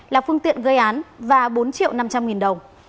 là phương tiện gây án và bốn triệu năm trăm linh nghìn đồng